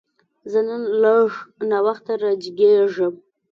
زه نن لږ ناوخته راجیګیږم